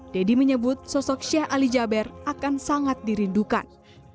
deddy menyebut sosok sheikh ali jaber akan sangat dirindukan